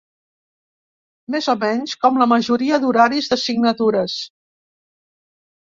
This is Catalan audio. Més o menys, com la majoria d'horaris de signatures.